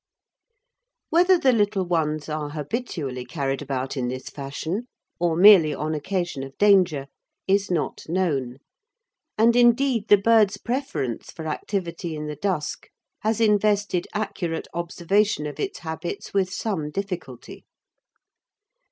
Whether the little ones are habitually carried about in this fashion, or merely on occasion of danger, is not known, and indeed the bird's preference for activity in the dusk has invested accurate observation of its habits with some difficulty.